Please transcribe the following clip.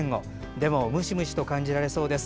でもムシムシと感じられそうです。